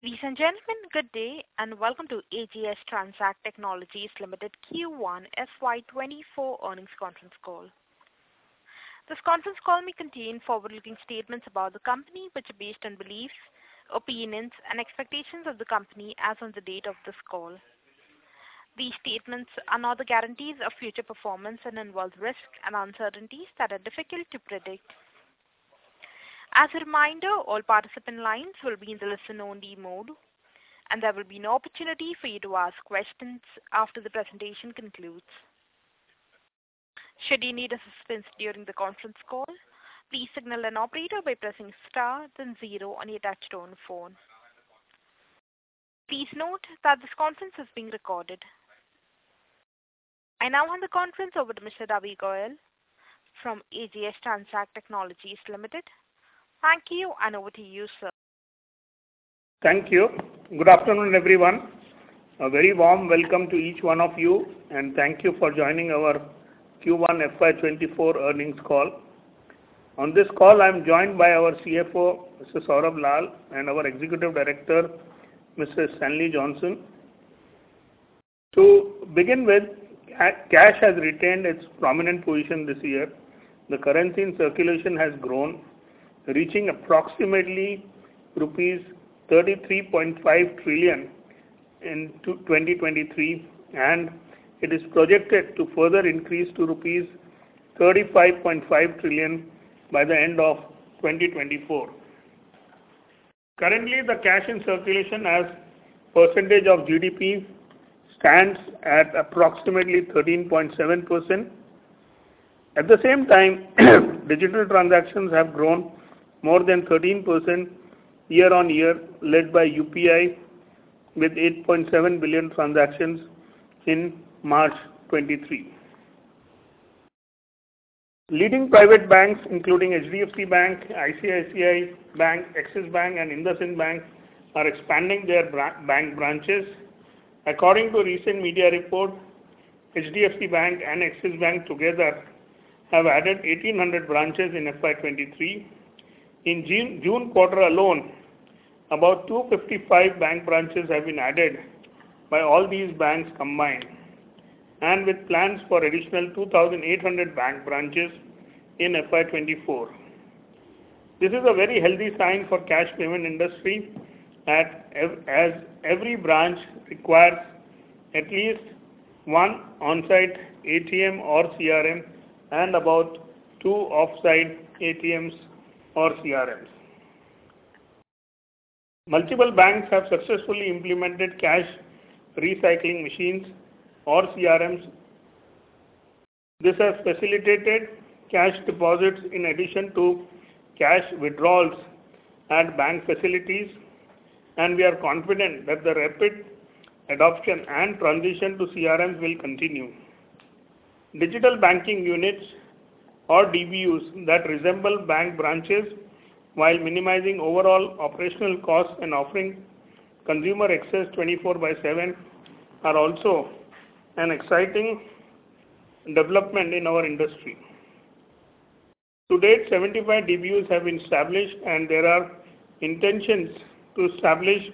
Ladies and gentlemen, good day, welcome to AGS Transact Technologies Ltd Q1 FY 2024 earnings conference call. This conference call may contain forward-looking statements about the company, which are based on beliefs, opinions, and expectations of the company as on the date of this call. These statements are not the guarantees of future performance and involve risks and uncertainties that are difficult to predict. As a reminder, all participant lines will be in the listen-only mode, there will be an opportunity for you to ask questions after the presentation concludes. Should you need assistance during the conference call, please signal an operator by pressing star then zero on your touchtone phone. Please note that this conference is being recorded. I now hand the conference over to Mr. Ravi Goyal from AGS Transact Technologies Ltd. Thank you, over to you, sir. Thank you. Good afternoon, everyone. A very warm welcome to each one of you, and thank you for joining our Q1 FY 2024 earnings call. On this call, I'm joined by our Chief Financial Officer, Mr. Saurabh Lal, and our Executive Director, Mr. Stanley Johnson. To begin with, cash has retained its prominent position this year. The currency in circulation has grown, reaching approximately INR 33.5 trillion in 2023, and it is projected to further increase to rupees 35.5 trillion by the end of 2024. Currently, the cash in circulation as percentage of GDP stands at approximately 13.7%. At the same time, digital transactions have grown more than 13% year on year, led by UPI, with 8.7 billion transactions in March 2023. Leading private banks, including HDFC Bank, ICICI Bank, Axis Bank, and IndusInd Bank, are expanding their bank branches. According to a recent media report, HDFC Bank and Axis Bank together have added 1,800 branches in FY 2023. In June quarter alone, about 255 bank branches have been added by all these banks combined, with plans for additional 2,800 bank branches in FY 2024. This is a very healthy sign for cash payment industry, as every branch requires at least one on-site ATM or CRM and about two off-site ATMs or CRMs. Multiple banks have successfully implemented cash recycling machines or CRMs. This has facilitated cash deposits in addition to cash withdrawals at bank facilities. We are confident that the rapid adoption and transition to CRMs will continue. Digital banking units, or DBUs, that resemble bank branches while minimizing overall operational costs and offering consumer access 24/7, are also an exciting development in our industry. To date, 75 DBUs have been established, and there are intentions to establish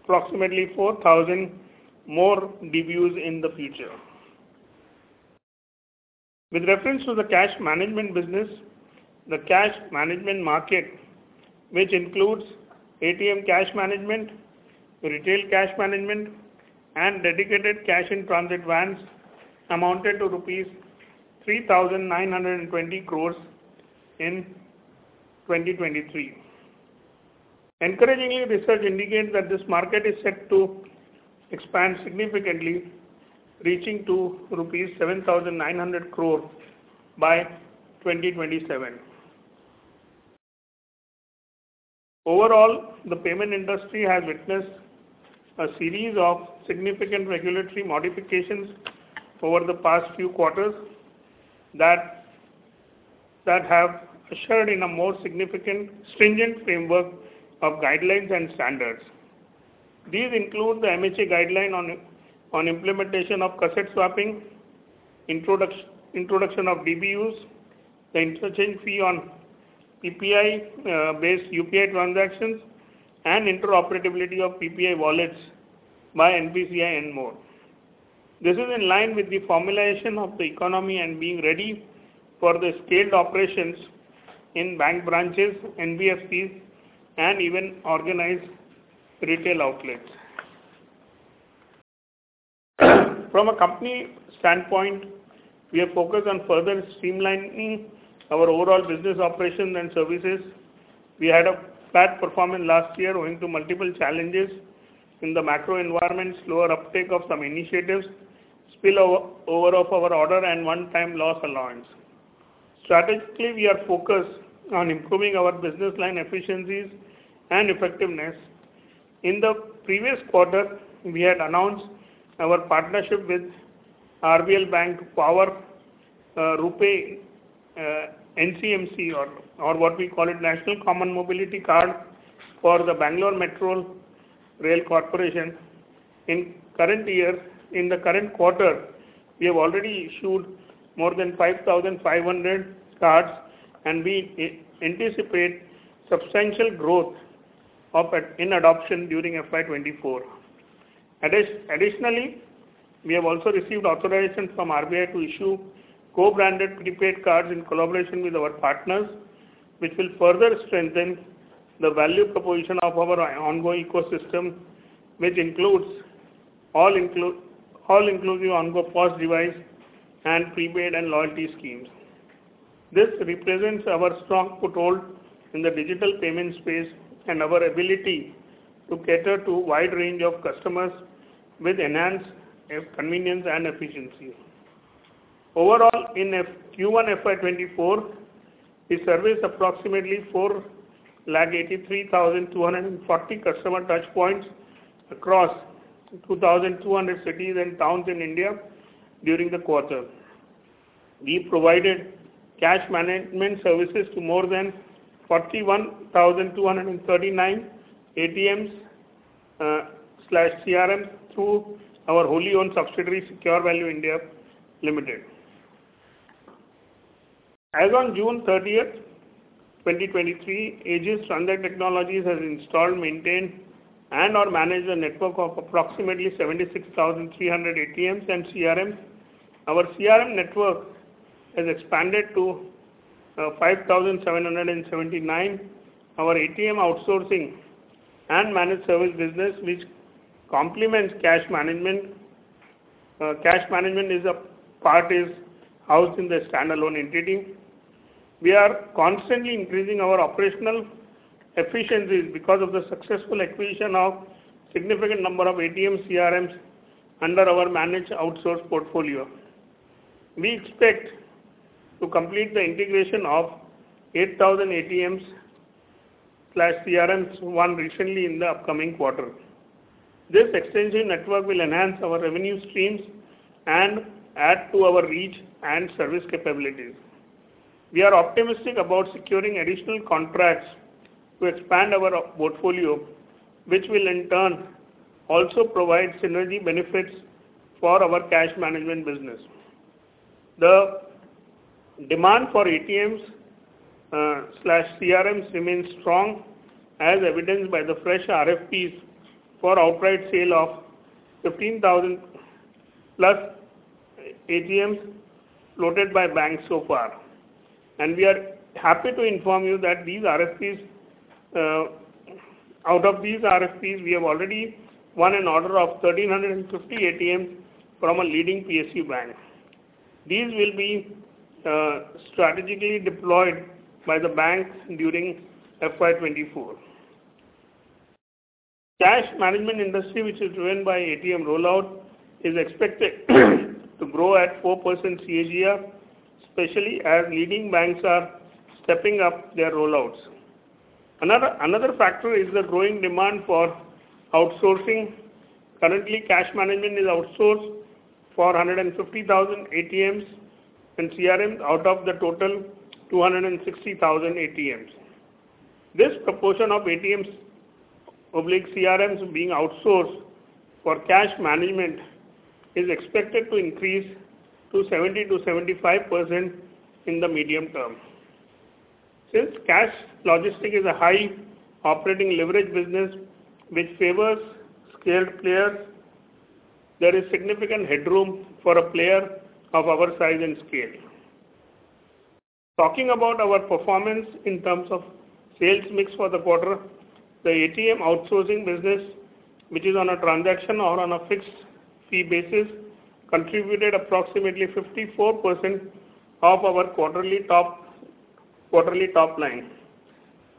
approximately 4,000 more DBUs in the future. With reference to the Cash Management business, the cash management market, which includes ATM cash management, retail cash management, and dedicated cash-in-transit vans, amounted to INR 3,920 crore in 2023. Encouragingly, research indicates that this market is set to expand significantly, reaching to rupees 7,900 crore by 2027. Overall, the payment industry has witnessed a series of significant regulatory modifications over the past few quarters that have ushered in a more significant, stringent framework of guidelines and standards. These include the MHA guideline on implementation of cassette swapping, introduction of DBUs, the interchange fee on PPI based UPI transactions, and interoperability of PPI wallets by NPCI and more. This is in line with the formulation of the economy and being ready for the scaled operations in bank branches, NBFCs and even organized retail outlets. From a company standpoint, we are focused on further streamlining our overall business operations and services. We had a flat performance last year owing to multiple challenges in the macro environment, slower uptake of some initiatives, spillover of our order and one-time loss allowance. Strategically, we are focused on improving our business line efficiencies and effectiveness. In the previous quarter, we had announced our partnership with RBL Bank for RuPay NCMC, or what we call it, National Common Mobility Card for the Bangalore Metro Rail Corporation.... In current year, in the current quarter, we have already issued more than 5,500 cards, and we anticipate substantial growth of it in adoption during FY 2024. Additionally, we have also received authorization from RBI to issue co-branded prepaid cards in collaboration with our partners, which will further strengthen the value proposition of our Ongo ecosystem, which includes all inclusive Ongo POS device and prepaid and loyalty schemes. This represents our strong foothold in the digital payment space and our ability to cater to a wide range of customers with enhanced convenience and efficiency. Overall, in Q1 FY 2024, we serviced approximately 483,240 customer touch points across 2,200 cities and towns in India during the quarter. We provided cash management services to more than 41,239 ATMs/CRMs through our wholly owned subsidiary, SecureValue India Limited. As on June 30th, 2023, AGS Transact Technologies has installed, maintained, and/or managed a network of approximately 76,300 ATMs and CRMs. Our CRM network has expanded to 5,779. Our ATM Outsourcing and Managed Service business, which complements cash management. Cash management is a part is housed in the standalone entity. We are constantly increasing our operational efficiencies because of the successful acquisition of significant number of ATM/CRMs under our managed outsource portfolio. We expect to complete the integration of 8,000 ATMs/CRMs won recently in the upcoming quarter. This extensive network will enhance our revenue streams and add to our reach and service capabilities. We are optimistic about securing additional contracts to expand our portfolio, which will in turn also provide synergy benefits for our Cash Management business. The demand for ATMs/CRMs remains strong, as evidenced by the fresh RFPs for outright sale of 15,000+ ATMs floated by banks so far. We are happy to inform you that these RFPs, out of these RFPs, we have already won an order of 1,350 ATMs from a leading PSU bank. These will be strategically deployed by the banks during FY 2024. Cash management industry, which is driven by ATM rollout, is expected to grow at 4% CAGR, especially as leading banks are stepping up their rollouts. Another, another factor is the growing demand for outsourcing. Currently, cash management is outsourced for 150,000 ATMs and CRMs out of the total 260,000 ATMs. This proportion of ATMs/CRMs being outsourced for cash management is expected to increase to 70%-75% in the medium term. Since cash logistic is a high operating leverage business which favors scaled players, there is significant headroom for a player of our size and scale. Talking about our performance in terms of sales mix for the quarter, the ATM Outsourcing business, which is on a transaction or on a fixed fee basis, contributed approximately 54% of our quarterly top line.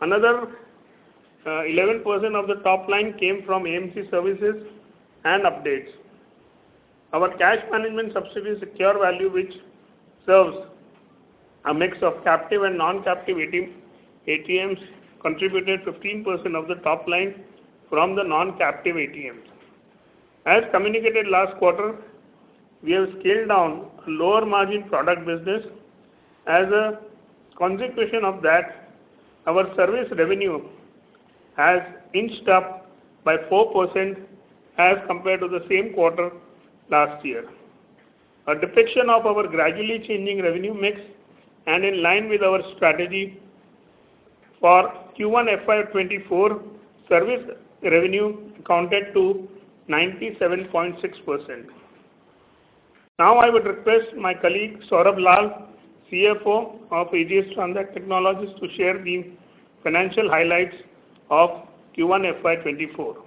Another 11% of the top line came from AMC services and updates. Our cash management subsidiary, SecureValue, which serves a mix of captive and non-captive ATM, ATMs, contributed 15% of the top line from the non-captive ATMs. As communicated last quarter, we have scaled down a lower margin product business. As a consequence of that, our service revenue has inched up by 4% as compared to the same quarter last year. A depiction of our gradually changing revenue mix and in line with our strategy for Q1 FY 2024, service revenue accounted to 97.6%. Now, I would request my colleague, Saurabh Lal, CFO of AGS Transact Technologies, to share the financial highlights of Q1 FY 2024.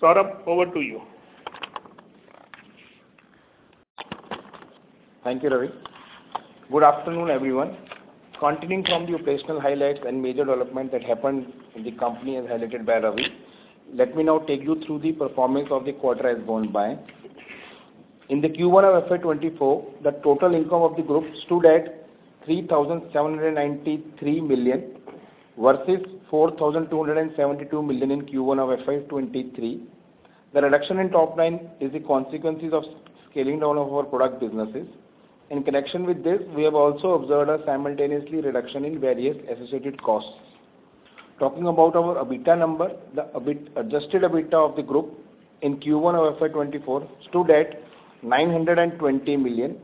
Saurabh, over to you. Thank you, Ravi. Good afternoon, everyone. Continuing from the operational highlights and major developments that happened in the company as highlighted by Ravi, let me now take you through the performance of the quarter as gone by. In the Q1 of FY 2024, the total income of the group stood at 3,793 million versus 4,272 million in Q1 of FY 2023. The reduction in top line is the consequences of scaling down of our product businesses. In connection with this, we have also observed a simultaneously reduction in various associated costs. Talking about our EBITDA number, the EBIT- adjusted EBITDA of the group in Q1 of FY 2024 stood at 920 million,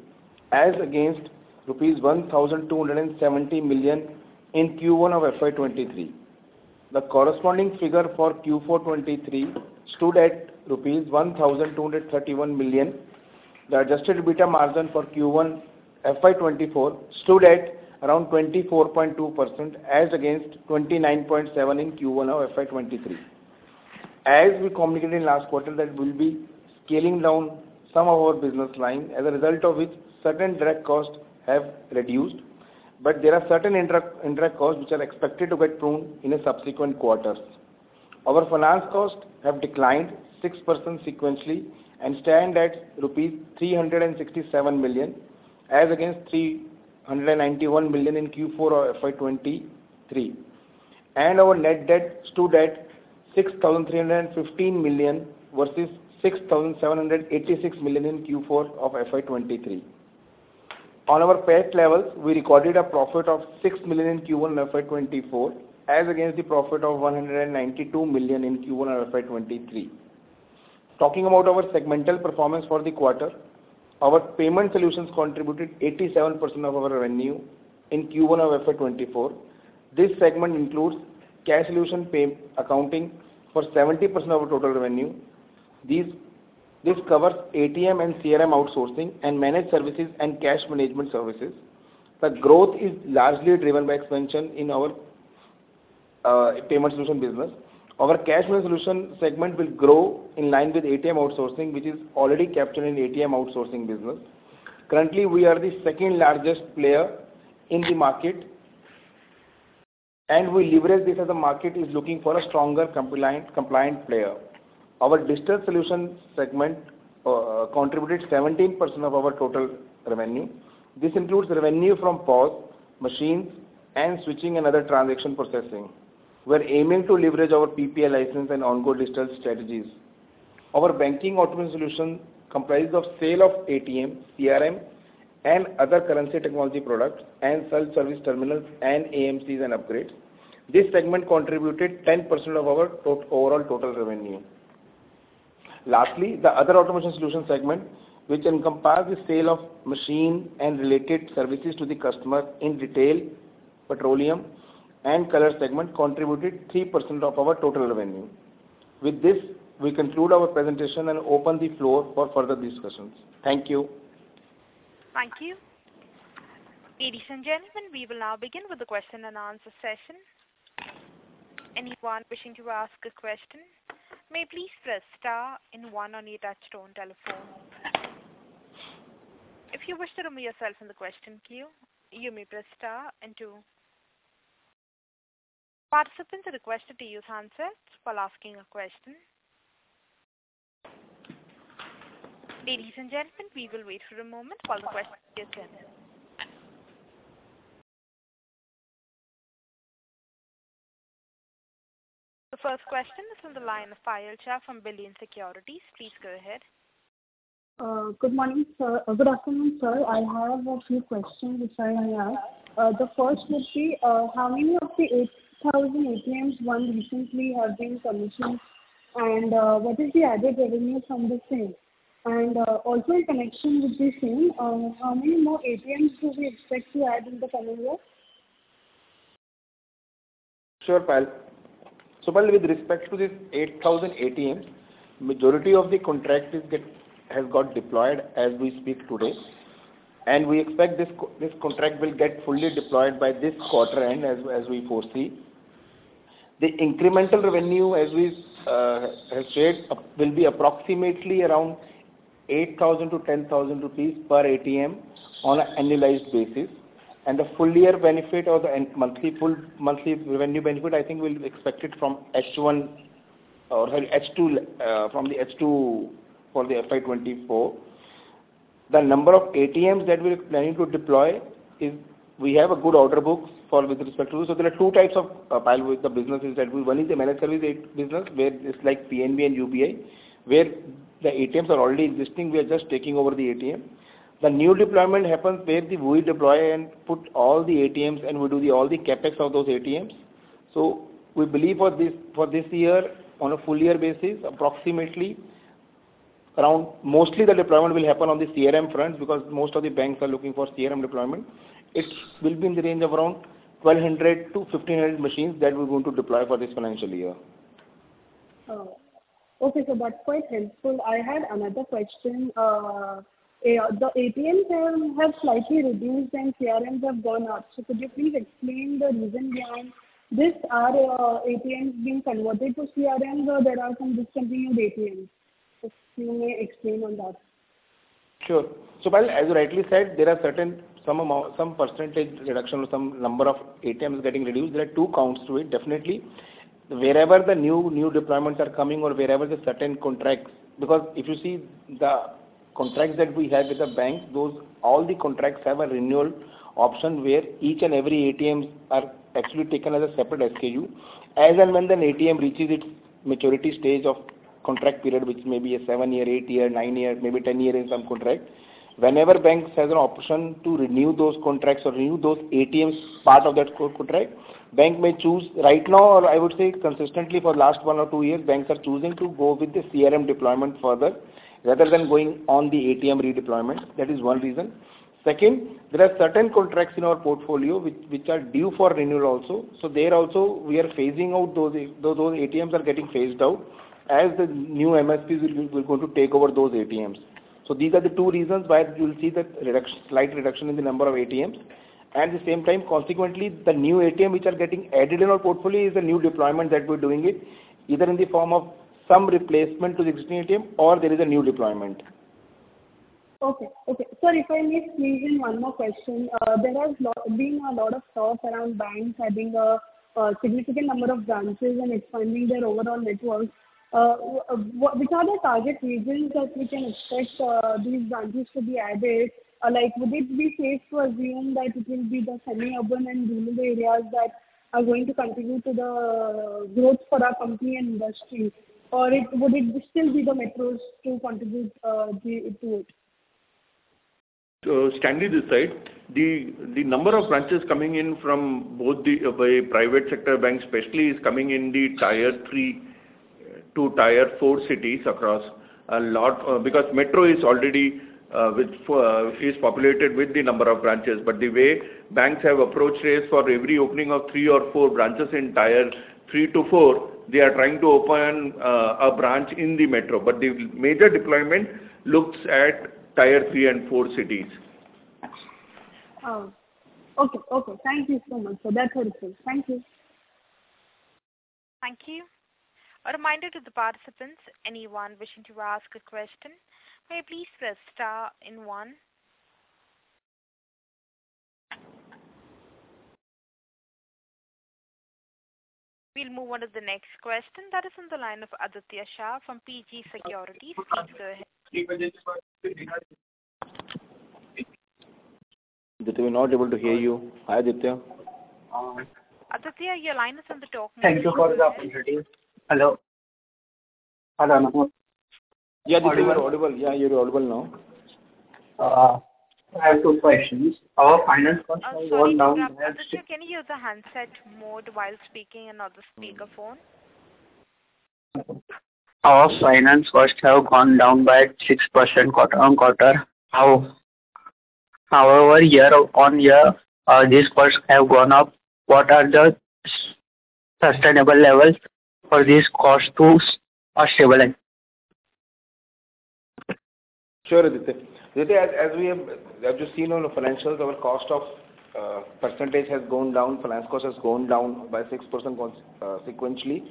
as against rupees 1,270 million in Q1 of FY 2023. The corresponding figure for Q4 2023 stood at INR 1,231 million. The adjusted EBITDA margin for Q1 FY 2024 stood at around 24.2%, as against 29.7% in Q1 of FY 2023. As we communicated in last quarter, that we'll be scaling down some of our business line, as a result of which certain direct costs have reduced. There are certain indirect, indirect costs which are expected to get pruned in the subsequent quarters. Our finance costs have declined 6% sequentially, and stand at rupees 367 million, as against 391 million in Q4 of FY 2023. Our net debt stood at 6,315 million, versus 6,786 million in Q4 of FY 2023. On our PAT levels, we recorded a profit of 6 million in Q1 FY 2024, as against the profit of 192 million in Q1 of FY 2023. Talking about our segmental performance for the quarter, our payment solutions contributed 87% of our revenue in Q1 of FY 2024. This segment includes cash solution pay accounting for 70% of our total revenue. This covers ATM and CRM outsourcing, and managed services and cash management services. The growth is largely driven by expansion in our Payment Solution business. Our Cash Management Solution segment will grow in line with ATM outsourcing, which is already captured in ATM Outsourcing business. Currently, we are the second largest player in the market, and we leverage this as the market is looking for a stronger compliant player. Our Digital Solution segment contributed 17% of our total revenue. This includes revenue from POS machines and switching and other transaction processing. We're aiming to leverage our PPI license and ongoing digital strategies. Our Banking Automation Solution comprises of sale of ATMs, CRM, and other currency technology products, and self-service terminals, and AMCs and upgrades. This segment contributed 10% of our overall total revenue. Lastly, the Other Automation Solution segment, which encompasses the sale of machine and related services to the customer in retail, petroleum, and color segment, contributed 3% of our total revenue. With this, we conclude our presentation and open the floor for further discussions. Thank you. Thank you. Ladies and gentlemen, we will now begin with the question and answer session. Anyone wishing to ask a question, may please press star one on your touchtone telephone. If you wish to remove yourself from the question queue, you may press star two. Participants are requested to use handsets while asking a question. Ladies and gentlemen, we will wait for a moment while the question is in. The first question is on the line of Payal Shah from Billion Securities. Please go ahead. Good morning, sir. Good afternoon, sir. I have a few questions which I, I ask. The first would be, how many of the 8,000 ATMs one recently have been commissioned? What is the added revenue from the same? Also in connection with the same, how many more ATMs do we expect to add in the coming year? Sure, Payal. Payal, with respect to this 8,000 ATMs, majority of the contracts has got deployed as we speak today. We expect this contract will get fully deployed by this quarter end, as we foresee. The incremental revenue, as we have said, will be approximately around 8,000-10,000 rupees per ATM on an annualized basis. The full year benefit or the end monthly, full monthly revenue benefit, I think will be expected from H1 or H2, from the H2 for the FY 2024. The number of ATMs that we're planning to deploy is we have a good order books for with respect to. There are two types of, Payal, with the businesses that we, one is the Managed Service business, where it's like PNB and UBI, where the ATMs are already existing, we are just taking over the ATM. The new deployment happens, where the we deploy and put all the ATMs, and we do all the CapEx of those ATMs. We believe for this, for this year, on a full year basis, approximately around mostly the deployment will happen on the CRM front, because most of the banks are looking for CRM deployment. It will be in the range of around 1,200-1,500 machines that we're going to deploy for this financial year. Okay, so that's quite helpful. I had another question. The ATMs have slightly reduced and CRMs have gone up. Could you please explain the reason behind this? Are ATMs being converted to CRMs, or there are some discontinued ATMs? If you may explain on that. Sure. Payal, as you rightly said, there are certain, some amount, some percentage reduction or some number of ATMs getting reduced. There are two counts to it, definitely. Wherever the new, new deployments are coming or wherever the certain contracts, because if you see the contracts that we have with the banks, those, all the contracts have a renewal option, where each and every ATMs are actually taken as a separate SKU. As and when the ATM reaches its maturity stage of contract period, which may be a 7 year, 8 year, 9 year, maybe 10 year in some contracts. Whenever banks has an option to renew those contracts or renew those ATMs part of that co-contract, bank may choose. Right now, or I would say consistently for last 1 or 2 years, banks are choosing to go with the CRM deployment further rather than going on the ATM redeployment. That is one reason. Second, there are certain contracts in our portfolio which are due for renewal also. There also, we are phasing out those, those ATMs are getting phased out as the new MSPs will going to take over those ATMs. These are the two reasons why you will see the reduction, slight reduction in the number of ATMs. At the same time, consequently, the new ATM which are getting added in our portfolio is a new deployment that we're doing it, either in the form of some replacement to the existing ATM or there is a new deployment. Okay. Okay. Sir, if I may squeeze in one more question. There has been a lot of talk around banks having a significant number of branches and expanding their overall networks. Which are the target regions that we can expect these branches to be added? Or like, would it be safe to assume that it will be the semi-urban and rural areas that are going to contribute to the growth for our company and industry? Or it, would it still be the metros to contribute the, to it? Strictly this side, the, the number of branches coming in from both the, by private sector banks especially, is coming in the Tier 3 to Tier 4 cities across a lot. Because metro is already, with, is populated with the number of branches. The way banks have approached is for every opening of three or four branches in Tier 3 to 4, they are trying to open, a branch in the metro. The major deployment looks at Tier 3 and 4 cities. Okay. Okay. Thank you so much, sir. That's what it is. Thank you. Thank you. A reminder to the participants, anyone wishing to ask a question, may please press star and one. We'll move on to the next question. That is on the line of Aditya Shah from PG Securities. Please go ahead. Aditya, we're not able to hear you. Hi, Aditya. Aditya, your line is on the talk mode. Thank you for the opportunity. Hello? Hello. Yeah, Aditya, you're audible. Yeah, you're audible now. I have two questions. Our finance costs have gone down- Sorry to interrupt. Aditya, can you use the handset mode while speaking and not the speakerphone? Our finance costs have gone down by 6% quarter-on-quarter. However, year-on-year, these costs have gone up. What are the sustainable levels for these costs to stabilize? Sure, Aditya. Aditya, as, as we have, as you've seen on the financials, our cost of percentage has gone down, finance cost has gone down by 6% sequentially.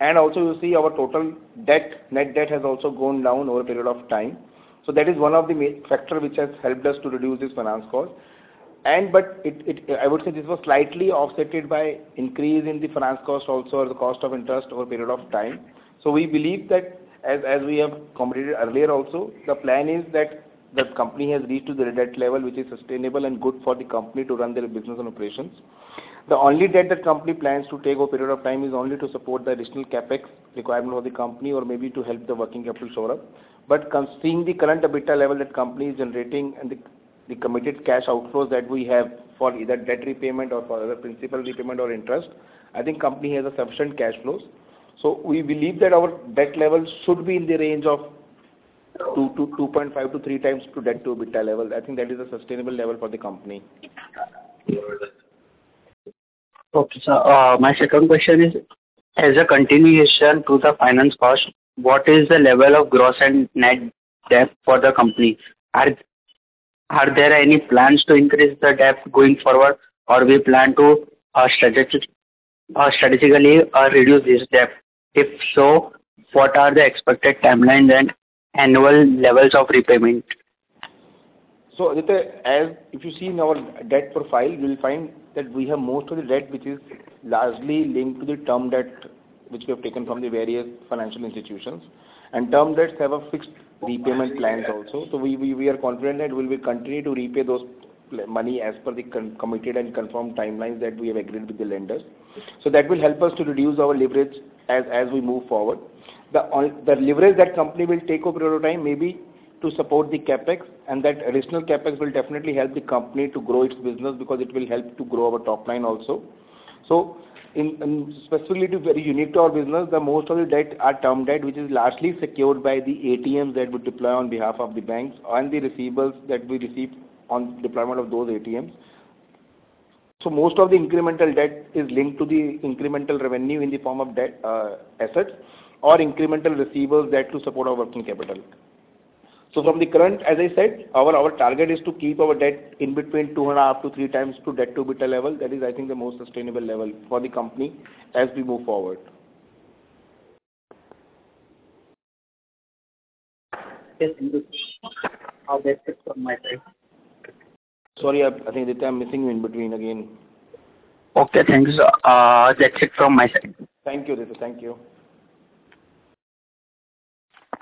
Also, you see our total debt, net debt has also gone down over a period of time. That is one of the main factor which has helped us to reduce this finance cost. I would say this was slightly offsetted by increase in the finance cost also, or the cost of interest over a period of time. We believe that as, as we have commented earlier also, the plan is that the company has reached to the debt level, which is sustainable and good for the company to run their business and operations. The only debt the company plans to take over a period of time is only to support the additional CapEx requirement of the company or maybe to help the working capital shore up. Considering the current EBITDA level that company is generating and the, the committed cash outflows that we have for either debt repayment or for other principal repayment or interest, I think company has a sufficient cash flows. We believe that our debt level should be in the range of 2x-2.5x-3x to debt-to-EBITDA level. I think that is a sustainable level for the company. Okay, sir. My second question is, as a continuation to the finance cost, what is the level of gross and net debt for the company? Are there any plans to increase the debt going forward, or we plan to strategically reduce this debt? If so, what are the expected timelines and annual levels of repayment? Aditya, as if you see in our debt profile, you will find that we have most of the debt which is largely linked to the term debt, which we have taken from the various financial institutions. Term debts have a fixed repayment plans also. We, we, we are confident that we will continue to repay those money as per the committed and confirmed timelines that we have agreed with the lenders. That will help us to reduce our leverage as, as we move forward. The leverage that company will take over a period of time may be to support the CapEx, and that additional CapEx will definitely help the company to grow its business because it will help to grow our top line also. In specifically to very unique to our business, the most of the debt are term debt, which is largely secured by the ATMs that we deploy on behalf of the banks and the receivables that we receive on deployment of those ATMs. Most of the incremental debt is linked to the incremental revenue in the form of debt assets or incremental receivables debt to support our working capital. From the current, as I said, our target is to keep our debt in between 2.5x-3x to debt-to-EBITDA level. That is, I think, the most sustainable level for the company as we move forward. Yes, that's it from my side. Sorry, I think, Aditya, I'm missing you in between again. Okay, thank you, sir. That's it from my side. Thank you, Aditya. Thank you.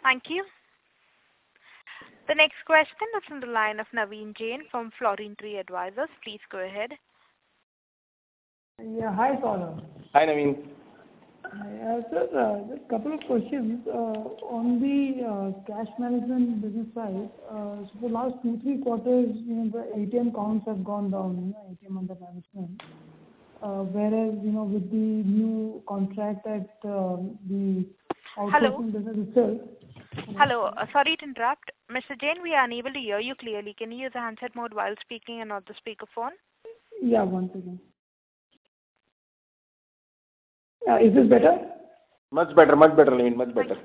Thank you. The next question is from the line of Naveen Jain from Florintree Advisors. Please go ahead. Yeah. Hi, Saurabh. Hi, Naveen. Hi, sir, just a couple of questions. On the Cash Management business side, the last two, three quarters, you know, the ATM counts have gone down, you know, ATM under management. Whereas, you know, with the new contract that, the- Hello? Hello. Sorry to interrupt. Mr. Jain, we are unable to hear you clearly. Can you use the handset mode while speaking and not the speakerphone? Yeah, one second. Is this better? Much better. Much better, Naveen, much better.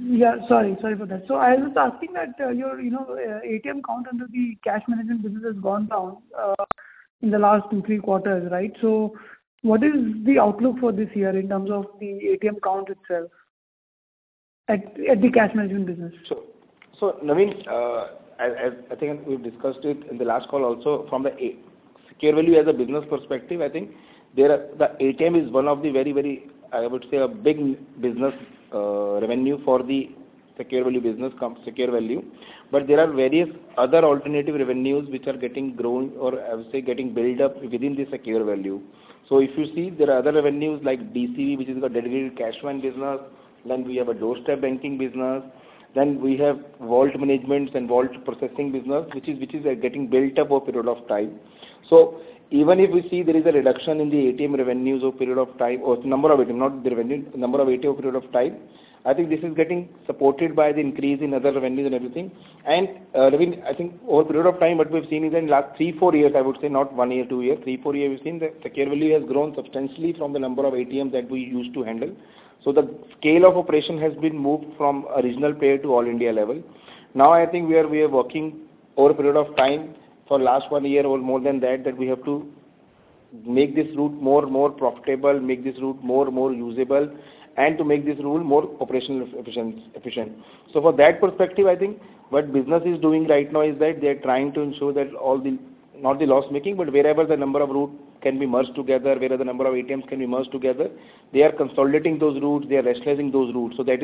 Yeah, sorry. Sorry about that. I was asking that, your, you know, ATM count under the Cash Management business has gone down in the last two, three quarters, right? What is the outlook for this year in terms of the ATM count itself at, at the Cash Management business? Naveen, as I think we've discussed it in the last call also, from the SecureValue as a business perspective, I think there are. The ATM is one of the very, very, I would say, a big business revenue for the SecureValue business come SecureValue. There are various other alternative revenues which are getting grown or I would say, getting built up within the SecureValue. If you see, there are other revenues like DCB, which is the Dedicated Cash Business, then we have a doorstep banking business, then we have vault managements and vault processing business, which is, which is, getting built up over period of time. Even if we see there is a reduction in the ATM revenues over a period of time, or number of ATM, not the revenue, number of ATMs over a period of time, I think this is getting supported by the increase in other revenues and everything. Naveen, I think over a period of time, what we've seen is in last 3, 4 years, I would say, not 1 year, 2 years, 3, 4 years, we've seen that SecureValue has grown substantially from the number of ATMs that we used to handle. The scale of operation has been moved from a regional player to All India level. Now, I think we are, we are working over a period of time for last one year or more than that, that we have to make this route more and more profitable, make this route more and more usable, and to make this route more operational efficient. From that perspective, I think what business is doing right now is that they are trying to ensure that all the not the loss making, but wherever the number of route can be merged together, wherever the number of ATMs can be merged together, they are consolidating those routes, they are rationalizing those routes. At the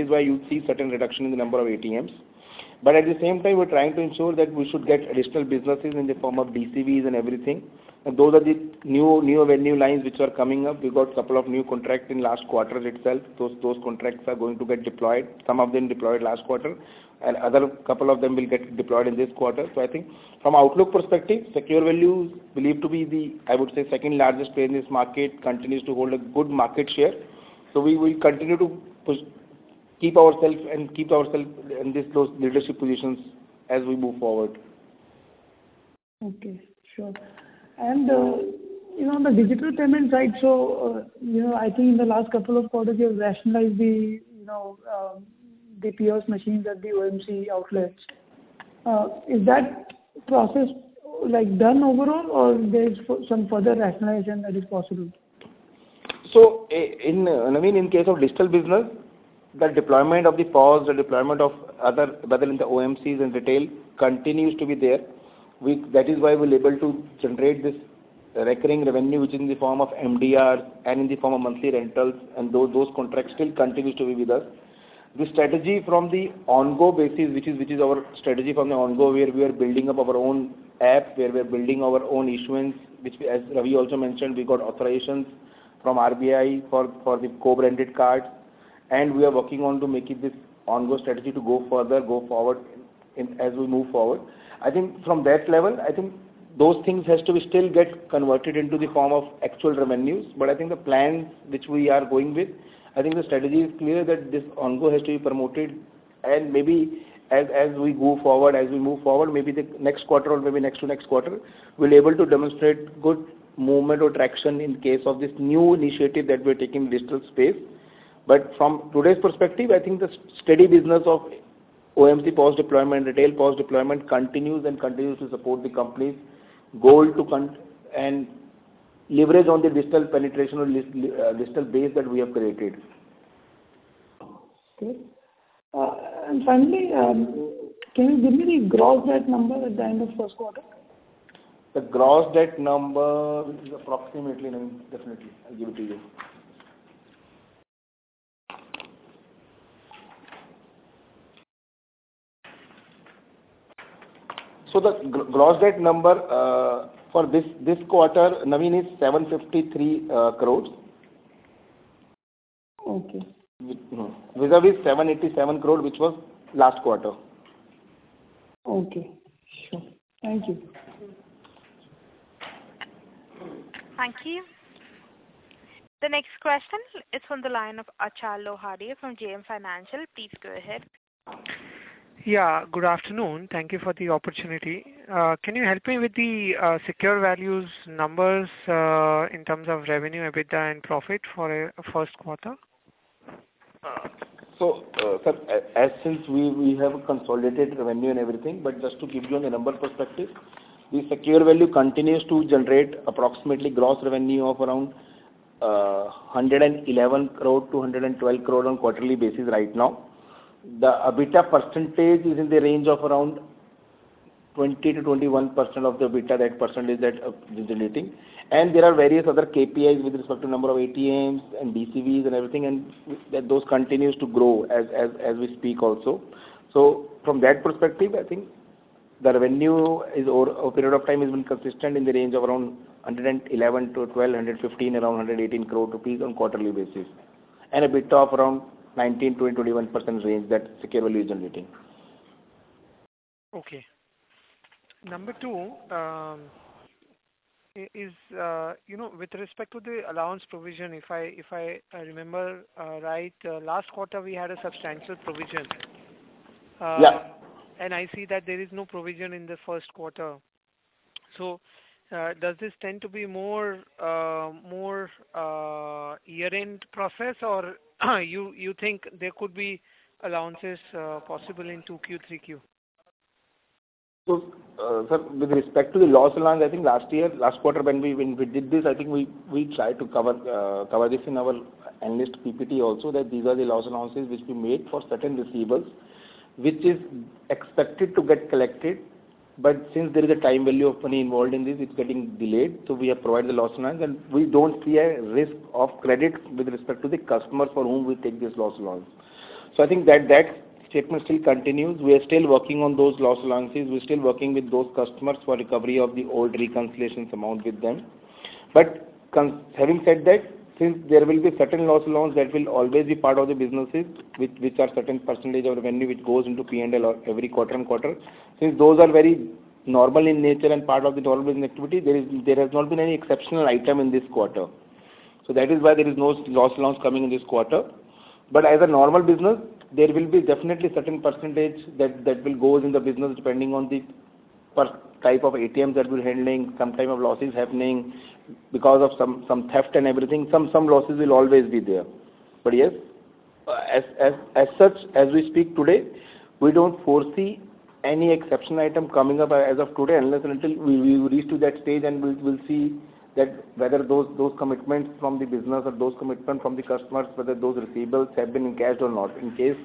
same time, we're trying to ensure that we should get additional businesses in the form of DCBs and everything. Those are the new, new revenue lines which are coming up. We got two new contracts in last quarter itself. Those contracts are going to get deployed. Some of them deployed last quarter, and other two of them will get deployed in this quarter. I think from outlook perspective, SecureValue believed to be the, I would say, second largest player in this market, continues to hold a good market share. We will continue to push, keep ourselves in this those leadership positions as we move forward. Okay. Sure. You know, on the digital payment side, so, you know, I think in the last couple of quarters, you've rationalized the, you know, the POS machines at the OMC outlets. Is that process, like, done overall, or there is some further rationalization that is possible? In, Naveen, in case of Digital business, the deployment of the POS, the deployment of other, whether in the OMCs and retail, continues to be there. We That is why we're able to generate this recurring revenue, which is in the form of MDR and in the form of monthly rentals, and those contracts still continues to be with us. The strategy from the ongoing basis, which is, which is our strategy from the ongoing, where we are building up our own app, where we are building our own issuance, which we as, Ravi also mentioned, we got authorizations from RBI for, for the co-branded cards. We are working on to making this ongoing strategy to go further, go forward in, as we move forward. I think from that level, I think those things has to be still get converted into the form of actual revenues. I think the plans which we are going with, I think the strategy is clear that this ongoing has to be promoted. Maybe as, as we go forward, as we move forward, maybe the next quarter or maybe next to next quarter, we'll be able to demonstrate good movement or traction in case of this new initiative that we're taking in digital space. From today's perspective, I think the steady business of OMC POS deployment, retail POS deployment continues and continues to support the company's goal to con- and leverage on the digital penetration or digital base that we have created. Okay. Finally, can you give me the gross debt number at the end of first quarter? The gross debt number is approximately, Naveen, definitely, I'll give it to you. So the gross debt number for this, this quarter, Naveen, is 753 crores. Okay. Vis-à-vis 787 crore, which was last quarter. Okay. Sure. Thank you. Thank you. The next question is from the line of Achal Lohade from JM Financial. Please go ahead. Yeah, good afternoon. Thank you for the opportunity. Can you help me with the SecureValue's numbers, in terms of revenue, EBITDA and profit for first quarter? As since we have consolidated revenue and everything, but just to give you on a number perspective, the SecureValue continues to generate approximately gross revenue of around 111 crore-212 crore on quarterly basis right now. The EBITDA percentage is in the range of around 20%-21% of the EBITDA, that percentage that we're generating. There are various other KPIs with respect to number of ATMs and DCBs and everything, and that those continues to grow as, as, as we speak also. From that perspective, I think the revenue is over a period of time has been consistent in the range of around 111 crore-1,215 crore rupees, around 118 crore rupees on quarterly basis, and EBITDA of around 19%-21% range that SecureValue is generating. Okay. Number two, is, you know, with respect to the allowance provision, if I remember, right, last quarter, we had a substantial provision. Yeah. I see that there is no provision in the first quarter. Does this tend to be more, more, year-end process, or you, you think there could be allowances, possible in 2Q, 3Q? Sir, with respect to the loss allowance, I think last year, last quarter, when we, when we did this, I think we, we tried to cover, cover this in our analyst PPT also, that these are the loss allowances which we made for certain receivables, which is expected to get collected. Since there is a time value of money involved in this, it's getting delayed, so we have provided the loss allowance. We don't see a risk of credit with respect to the customers for whom we take this loss allowance. I think that, that statement still continues. We are still working on those loss allowances. We're still working with those customers for recovery of the old reconciliations amount with them. Having said that, since there will be certain loss allowance, that will always be part of the businesses, which, which are certain percentage of the revenue which goes into P&L every quarter-on-quarter. Since those are very normal in nature and part of the normal business activity, there has not been any exceptional item in this quarter. That is why there is no loss allowance coming in this quarter. As a normal business, there will be definitely certain percentage that, that will goes in the business, depending on the per type of ATMs that we're handling, some type of loss is happening because of some, some theft and everything. Some, some losses will always be there. Yes, as, as, as such, as we speak today, we don't foresee any exception item coming up as of today, unless and until we, we reach to that stage and we'll, we'll see that whether those, those commitments from the business or those commitments from the customers, whether those receivables have been encashed or not. In case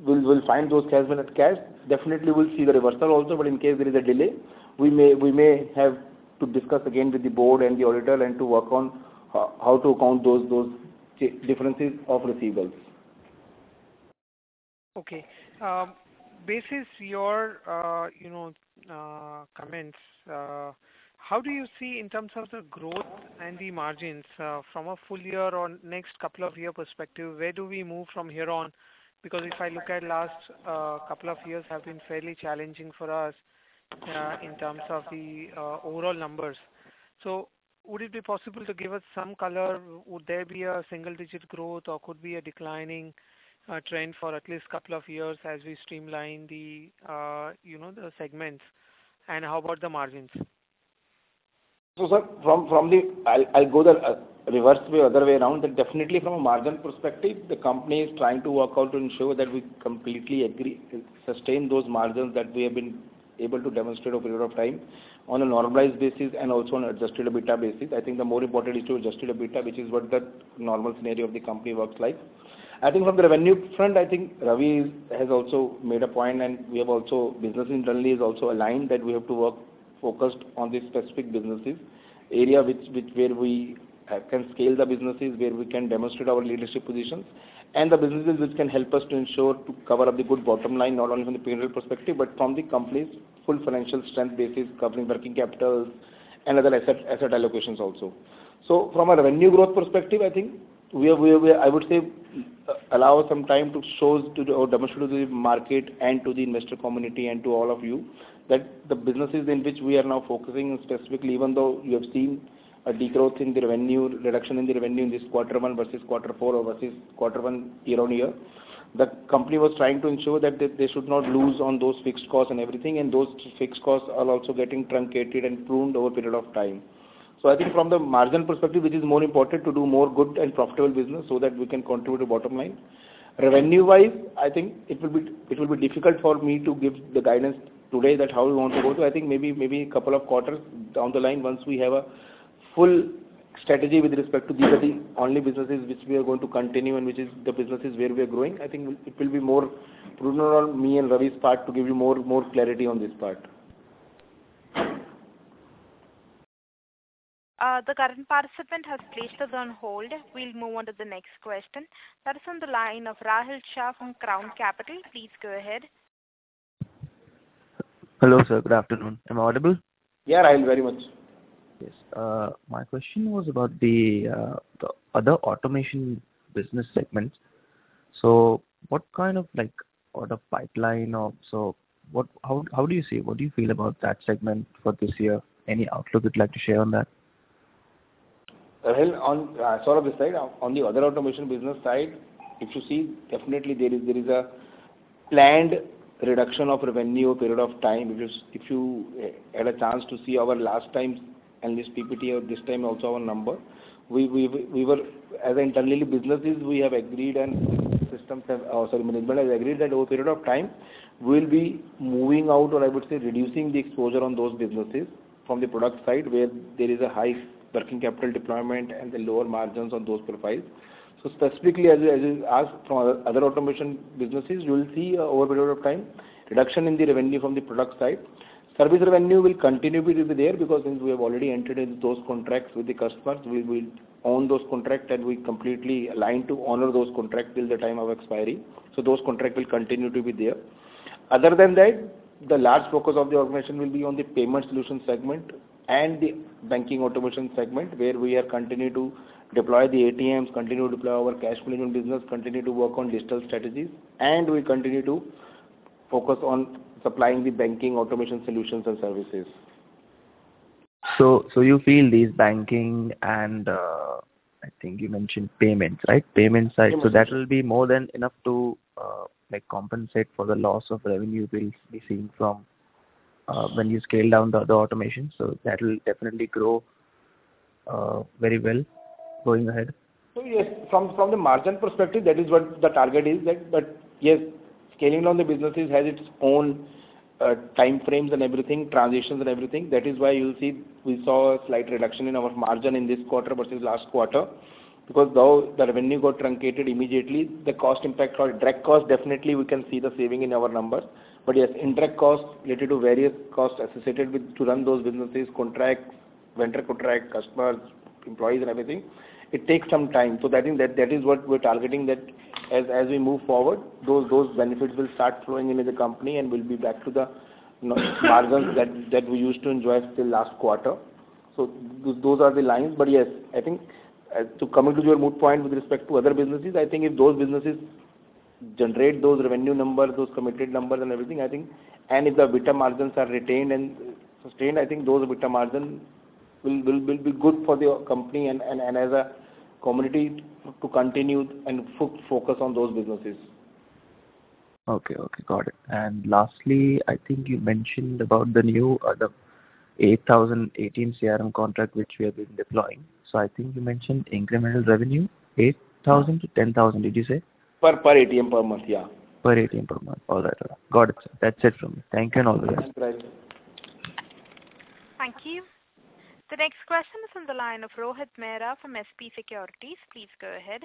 we'll, we'll find those has been encashed, definitely we'll see the reversal also. In case there is a delay, we may, we may have to discuss again with the board and the auditor and to work on how to account those, those differences of receivables. Okay. Basis your, you know, comments, how do you see in terms of the growth and the margins, from a full year on next couple of year perspective, where do we move from here on? If I look at last, couple of years have been fairly challenging for us, in terms of the overall numbers. Would it be possible to give us some color? Would there be a single-digit growth, or could be a declining, trend for at least couple of years as we streamline the, you know, the segments? How about the margins? Sir, from, from the... I'll, I'll go the reverse way, other way around. Definitely from a margin perspective, the company is trying to work out to ensure that we completely agree, sustain those margins that we have been able to demonstrate over a period of time on a normalized basis and also on adjusted EBITDA basis. I think the more important is to adjusted EBITDA, which is what the normal scenario of the company works like. I think from the revenue front, I think Ravi has also made a point, and we have also, business internally is also aligned, that we have to work focused on the specific businesses, area which, which, where we can scale the businesses, where we can demonstrate our leadership positions. The businesses which can help us to ensure to cover up the good bottom line, not only from the P&L perspective, but from the company's full financial strength basis, covering working capital and other asset, asset allocations also. From a revenue growth perspective, I think we are, I would say, allow some time to show to the, or demonstrate to the market and to the investor community and to all of you, that the businesses in which we are now focusing specifically, even though you have seen a decline in the revenue, reduction in the revenue in this quarter one versus quarter four or versus quarter one year-on-year. The company was trying to ensure that they, they should not lose on those fixed costs and everything, and those fixed costs are also getting truncated and pruned over a period of time. I think from the margin perspective, it is more important to do more good and profitable business so that we can contribute to bottom line. Revenue-wise, I think it will be, it will be difficult for me to give the guidance today that how we want to go to. I think maybe, maybe couple of quarters down the line, once we have a full strategy with respect to these are the only businesses which we are going to continue and which is the businesses where we are growing, I think it will be more prudent on me and Ravi's part to give you more, more clarity on this part. The current participant has placed us on hold. We'll move on to the next question. That is on the line of Rahil Shah from Crown Capital. Please go ahead. Hello, sir. Good afternoon. Am I audible? Yeah, Rahil, very much. Yes. My question was about the, the Other Automation business segments. What kind of, like, order pipeline or how, how do you see? What do you feel about that segment for this year? Any outlook you'd like to share on that? Well, on sort of the side, on the Other Automation business side, if you see, definitely there is, there is a planned reduction of revenue over a period of time. If you had a chance to see our last time's analyst PPT or this time also our number, as internally businesses, we have agreed and systems have, sorry, management has agreed that over a period of time, we'll be moving out, or I would say, reducing the exposure on those businesses from the product side, where there is a high working capital deployment and the lower margins on those profiles. Specifically, as you from Other Automation businesses, you will see over a period of time, reduction in the revenue from the product side. Service revenue will continue to be there, because since we have already entered into those contracts with the customers, we will own those contracts, and we completely align to honor those contracts till the time of expiry. Those contracts will continue to be there. Other than that, the large focus of the organization will be on the Payment Solution segment and the Banking Automation segment, where we are continuing to deploy the ATMs, continue to deploy our Cash Management business, continue to work on digital strategies, and we continue to focus on supplying the Banking Automation solutions and services. So you feel these banking and, I think you mentioned payments, right? Payment side. Payments. That will be more than enough to, like, compensate for the loss of revenue we'll be seeing from, when you scale down the, the automation. That will definitely grow very well going ahead? Yes, from, from the margin perspective, that is what the target is that. Yes, scaling down the businesses has its own time frames and everything, transitions and everything. That is why you'll see we saw a slight reduction in our margin in this quarter versus last quarter. Though the revenue got truncated immediately, the cost impact or direct cost, definitely we can see the saving in our numbers. Yes, indirect costs related to various costs associated with, to run those businesses, contracts, vendor contracts, customers, employees and everything, it takes some time. I think that, that is what we're targeting, that as, as we move forward, those, those benefits will start flowing into the company and we'll be back to the, you know, margins that, that we used to enjoy till last quarter. Those are the lines. Yes, I think, to come into your main point with respect to other businesses, I think if those businesses generate those revenue numbers, those committed numbers and everything, and if the EBITDA margins are retained and sustained, I think those EBITDA margin will be good for the company and as a community to continue and focus on those businesses. Okay, okay, got it. Lastly, I think you mentioned about the new, the 8,018 CRM contract, which we have been deploying. So I think you mentioned incremental revenue, 8,000-10,000, did you say? Per, per ATM per month, yeah. Per ATM per month. All right. Got it. That's it from me. Thank you, and all the best. Thank you. Thank you. The next question is on the line of Rohit Mehra from SP Securities. Please go ahead.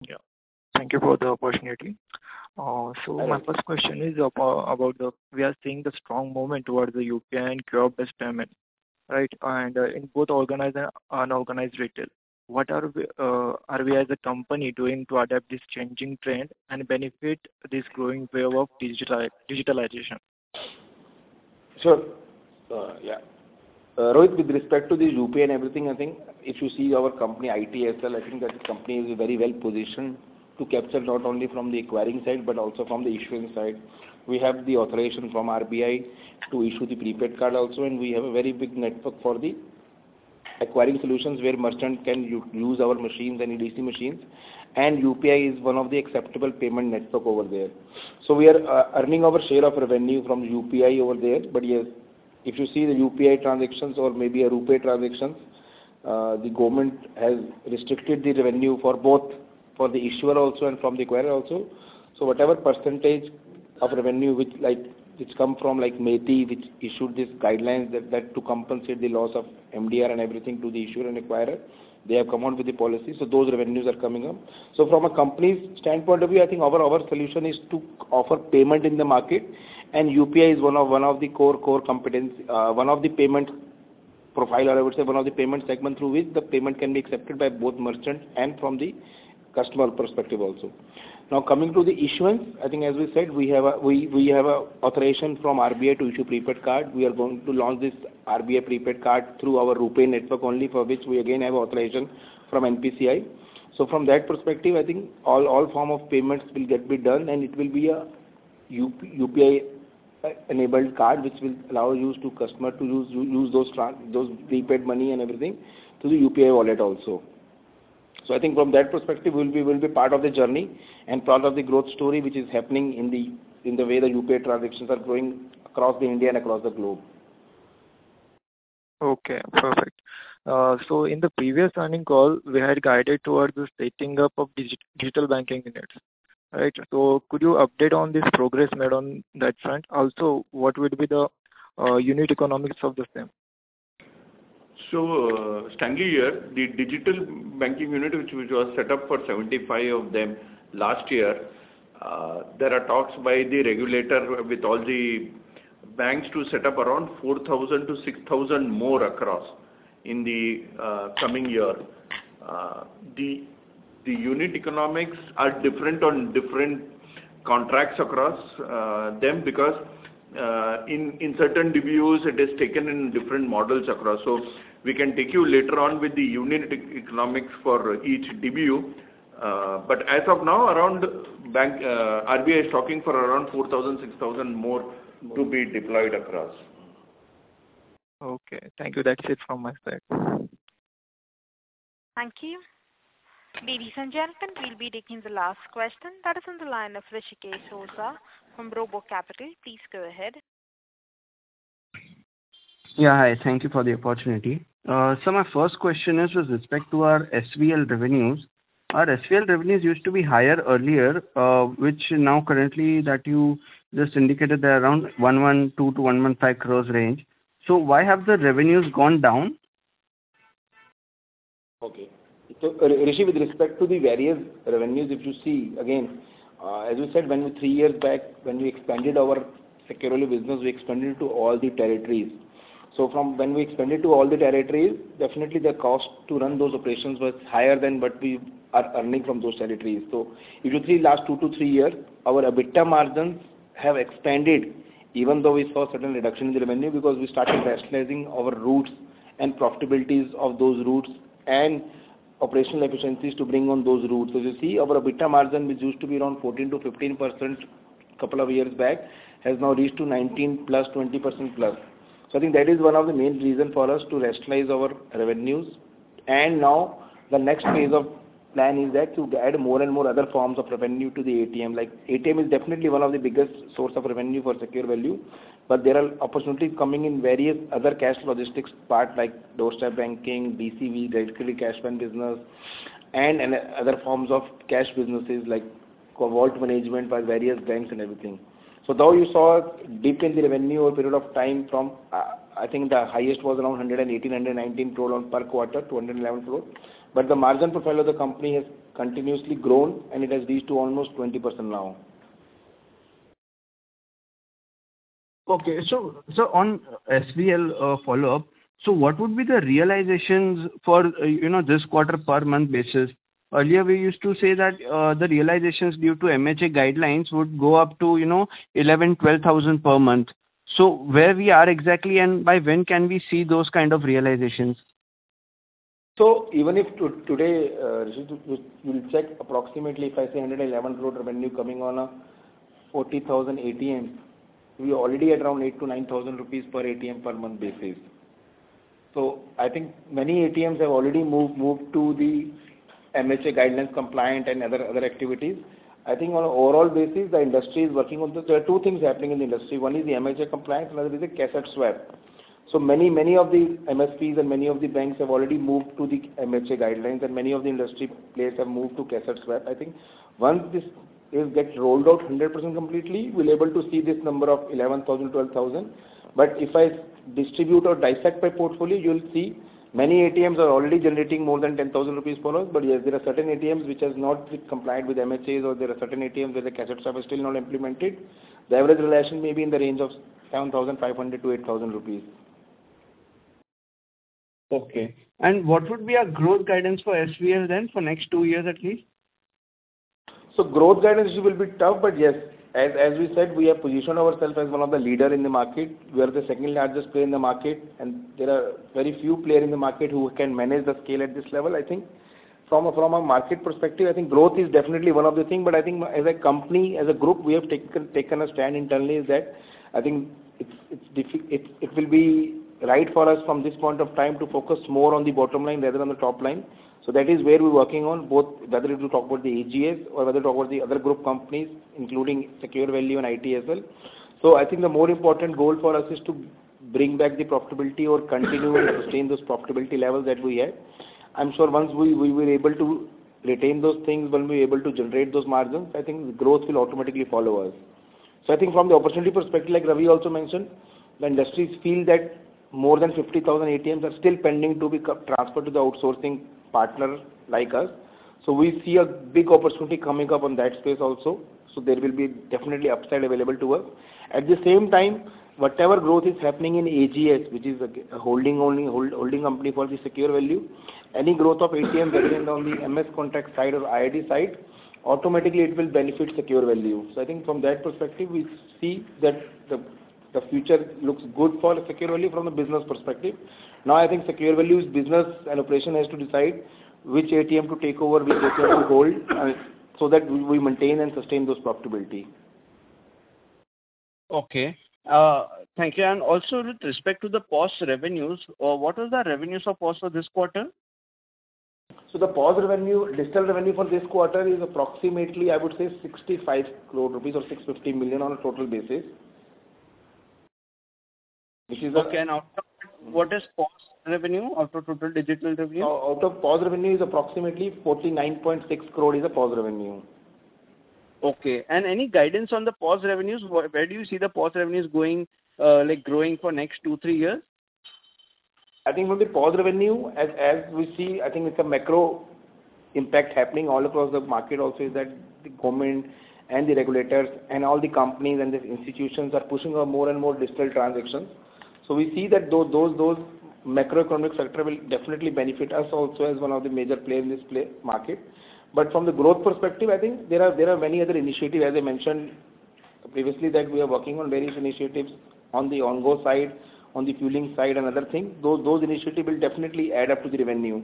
Yeah. Thank you for the opportunity. Welcome. My first question is about the... We are seeing the strong movement towards the UPI and cardless payment, right? In both organized and unorganized retail, what are we, are we as a company doing to adapt this changing trend and benefit this growing wave of digitalization? Sure. Yeah. Rohit, with respect to the UPI and everything, I think if you see our company, ITSL, I think that the company is very well positioned to capture not only from the acquiring side, but also from the issuing side. We have the authorization from RBI to issue the prepaid card also, and we have a very big network for the acquiring solutions, where merchant can use our machines, any DC machines. UPI is one of the acceptable payment network over there. We are earning our share of revenue from UPI over there. Yes, if you see the UPI transactions or maybe a RuPay transactions, the government has restricted the revenue for both, for the issuer also and from the acquirer also. Whatever percentage of revenue which, like, which come from, like, MeitY, which issued these guidelines that, that to compensate the loss of MDR and everything to the issuer and acquirer, they have come out with the policy. Those revenues are coming up. From a company's standpoint of view, I think our, our solution is to offer payment in the market, and UPI is one of, one of the core, core competence, one of the payment profile, or I would say one of the payment segment, through which the payment can be accepted by both merchant and from the customer perspective also. Now, coming to the issuance, I think as we said, we have a, we, we have a authorization from RBI to issue prepaid card. We are going to launch this RBI prepaid card through our RuPay network only, for which we again have authorization from NPCI. From that perspective, I think all, all form of payments will get be done, and it will be a UPI-enabled card, which will allow use to customer to use those prepaid money and everything to the UPI wallet also. I think from that perspective, we'll be, we'll be part of the journey and part of the growth story, which is happening in the, in the way the UPI transactions are growing across the India and across the globe. Okay, perfect. In the previous earnings call, we had guided towards the setting up of digital banking units, right? Could you update on this progress made on that front? Also, what would be the unit economics of the same? Standing here, the digital banking unit, which was set up for 75 of them last year, there are talks by the regulator with all the banks to set up around 4,000-6,000 more across in the coming year. The unit economics are different on different contracts across them, because in certain DBUs, it is taken in different models across. We can take you later on with the unit e-economics for each DBU. As of now, around bank, RBI is talking for around 4,000-6,000 more to be deployed across. Okay, thank you. That's it from my side. Thank you. Ladies and gentlemen, we'll be taking the last question. That is on the line of Rishikesh Oza from RoboCapital. Please go ahead. Yeah, hi. Thank you for the opportunity. My first question is with respect to our SVL revenues. Our SVL revenues used to be higher earlier, which now currently that you just indicated, they're around 112 crore-115 crore range. Why have the revenues gone down? Okay. Rishi, with respect to the various revenues, if you see again, as you said, when we 3 years back, when we expanded our Security business, we expanded to all the territories. From when we expanded to all the territories, definitely the cost to run those operations was higher than what we are earning from those territories. If you see last 2-3 years, our EBITDA margins have expanded, even though we saw certain reduction in the revenue, because we started rationalizing our routes and profitabilities of those routes and operational efficiencies to bring on those routes. You see our EBITDA margin, which used to be around 14%-15% couple of years back, has now reached to +19%, +20%. I think that is one of the main reason for us to rationalize our revenues. Now the next phase of plan is that to add more and more other forms of revenue to the ATM. Like, ATM is definitely one of the biggest source of revenue for SecureValue, but there are opportunities coming in various other cash logistics part, like doorstep banking, BCV, directly cash van business, and other forms of cash businesses, like vault management by various banks and everything. Though you saw a dip in the revenue over a period of time from, I think the highest was around 118 crore-119 crore on per quarter to 111 crore, but the margin profile of the company has continuously grown, and it has reached to almost 20% now. Okay. On SVL, follow-up, what would be the realizations for, you know, this quarter per month basis? Earlier, we used to say that, the realizations due to MHA guidelines would go up to, you know, 11,000-12,000 per month. Where we are exactly, and by when can we see those kind of realizations? Even if today, Rishi, you, you'll check approximately, if I say 111 crore revenue coming on a 40,000 ATMs, we already at around 8,000-9,000 rupees per ATM per month basis. I think many ATMs have already moved to the MHA guidance compliant and other, other activities. I think on an overall basis, the industry is working on this. There are two things happening in the industry. One is the MHA compliance, another is the cassette swap. Many of the MSPs and many of the banks have already moved to the MHA guidelines, and many of the industry players have moved to cassette swap. I think once this is get rolled out 100% completely, we'll able to see this number of 11,000, 12,000. If I distribute or dissect my portfolio, you'll see many ATMs are already generating more than 10,000 rupees per month. Yes, there are certain ATMs which has not yet complied with MHAs, or there are certain ATMs where the cassette swap is still not implemented. The average realization may be in the range of 7,500-8,000 rupees. Okay. What would be our growth guidance for SVL then, for next 2 years at least? Growth guidance will be tough, yes, as we said, we have positioned ourselves as one of the leader in the market. We are the second largest player in the market, there are very few player in the market who can manage the scale at this level, I think. From a market perspective, I think growth is definitely one of the thing, I think as a company, as a group, we have taken a stand internally is that I think it's will be right for us from this point of time to focus more on the bottom line rather than the top line. That is where we're working on, both whether it will talk about the AGS or whether talk about the other group companies, including SecureValue and ITSL. I think the more important goal for us is to bring back the profitability or continue and sustain those profitability levels that we had. I'm sure once we were able to retain those things, when we're able to generate those margins, I think growth will automatically follow us. I think from the opportunity perspective, like Ravi also mentioned, the industries feel that more than 50,000 ATMs are still pending to be transferred to the outsourcing partner like us. We see a big opportunity coming up on that space also. There will be definitely upside available to us. At the same time, whatever growth is happening in AGS, which is a holding only, holding company for the SecureValue, any growth of ATM based on the MS contract side or IIT side, automatically it will benefit SecureValue. I think from that perspective, we see that the, the future looks good for SecureValue from a business perspective. Now, I think SecureValue's business and operation has to decide which ATM to take over, which ATM to hold, so that we, we maintain and sustain those profitability. Okay. Thank you. Also, with respect to the POS revenues, what is the revenues of POS for this quarter? The POS revenue, digital revenue for this quarter is approximately, I would say, 65 crore rupees or 650 million on a total basis. Okay, out of that, what is POS revenue out of total digital revenue? Out of POS revenue is approximately 49.6 crore is a POS revenue. Okay. Any guidance on the POS revenues? Where, where do you see the POS revenues going, like growing for next 2, 3 years? I think with the POS revenue, as, as we see, I think it's a macro impact happening all across the market also is that the government and the regulators and all the companies and the institutions are pushing on more and more digital transactions. We see that those, those, those macroeconomic sector will definitely benefit us also as one of the major player in this play market. From the growth perspective, I think there are, there are many other initiatives, as I mentioned previously, that we are working on various initiatives on the Ongo side, on the fueling side and other things. Those, those initiatives will definitely add up to the revenue.